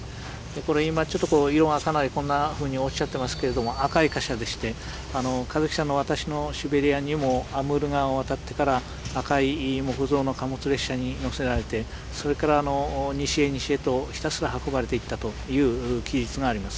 これ今ちょっと色がかなりこんなふうに落ちちゃってますけれども赤い貨車でして香月さんの「私のシベリヤ」にもアムール川を渡ってから赤い木造の貨物列車に乗せられてそれから西へ西へとひたすら運ばれていったという記述があります。